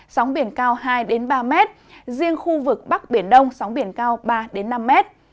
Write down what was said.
sóng biển cao hai ba m riêng khu vực bắc biển đông sóng biển cao ba năm m